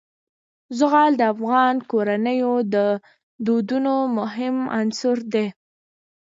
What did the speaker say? زغال د افغان کورنیو د دودونو مهم عنصر دی.